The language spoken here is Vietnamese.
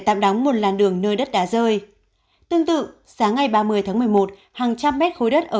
xây dựng một làn đường nơi đất đã rơi tương tự sáng ngày ba mươi một mươi một hàng trăm mét khối đất ở